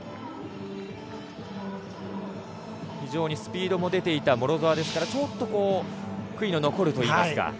非常にスピードも出ていたモロゾワですからちょっと悔いの残るといいますか。